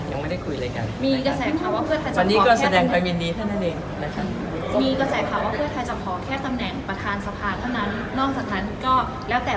ยังไม่ได้คุยอะไรกันเลยค่ะมีกระแสข่าวว่าเผื้อไทยจะขอแค่ตำแหน่งประธานสะพาท่านเท่านั้นนอกจากนั้นก็ตกลงกันเลย